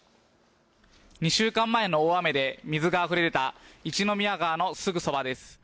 ２週間前の大雨で水があふれ出た一宮川のすぐそばです。